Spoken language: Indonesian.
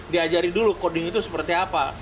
diajari dulu coding itu seperti apa